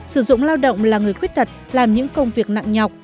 sử dụng lao động là người khuyết tật làm những công việc nặng nhọc